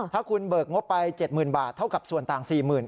ถ้าคุณเบิกงบไป๗๐๐บาทเท่ากับส่วนต่าง๔๐๐๐